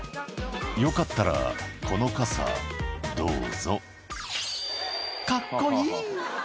「よかったらこの傘どうぞ」「カッコいい」